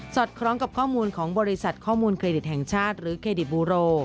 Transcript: คล้องกับข้อมูลของบริษัทข้อมูลเครดิตแห่งชาติหรือเครดิตบูโร